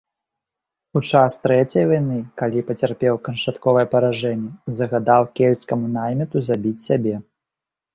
У час трэцяй вайны, калі пацярпеў канчатковае паражэнне, загадаў кельцкаму найміту забіць сябе.